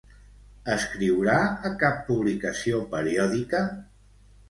Escriurà a cap publicació periòdica?